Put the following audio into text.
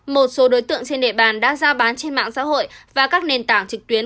một số đối tượng trên địa bàn đã ra bán trên mạng xã hội và các nền tảng trực tuyến